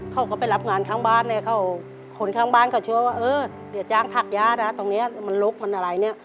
เขาก็ไปรับงานข้างบ้านเลยเขาหนทางบ้านก็มีแป้งว่าจะจางจับทักยาตัวลดอะไรเนี่ย